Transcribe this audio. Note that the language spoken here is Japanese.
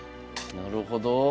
なるほど。